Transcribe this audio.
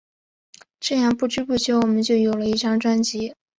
这样不知不觉我们就有了一张专辑。